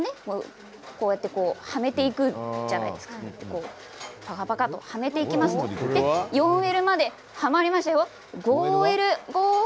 はめていくじゃないですかぱかぱかとはめていきますと４Ｌまで、はまります。